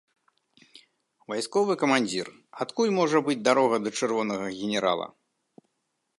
Вайсковы камандзір, адкуль можа быць дарога да чырвонага генерала?